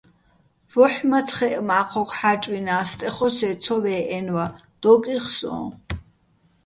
ვოჰ̦ მაცხეჸ მა́ჴოგო̆ ჰ̦ა́ჭვინა́ს, სტეხოსე́ ცო ვე́ჸენვა, დოკ იხო̆ სო́ჼ.